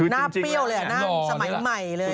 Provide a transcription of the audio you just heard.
เปรี้ยวเลยอ่ะหน้าสมัยใหม่เลย